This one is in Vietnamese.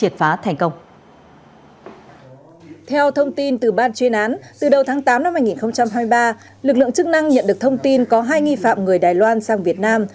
tháng tám năm hai nghìn hai mươi ba lực lượng chức năng nhận được thông tin có hai nghi phạm người đài loan sang việt nam